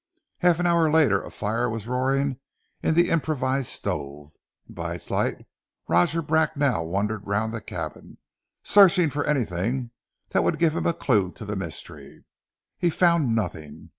Half an hour later a fire was roaring in the improvised stove, and by its light Roger Bracknell wandered round the cabin, searching for anything that would give him a clue to the mystery. He found nothing.